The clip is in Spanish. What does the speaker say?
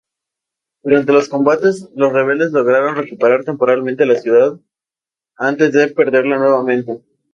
Durante los combates, los rebeldes lograron recuperar temporalmente la ciudad antes de perderla nuevamente.